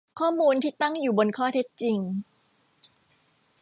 ข้อมูลที่ตั้งอยู่บนข้อเท็จจริง